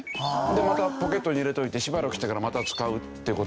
でまたポケットに入れといてしばらくしてからまた使うっていう事を結構してますよね。